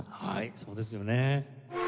はいそうですよね。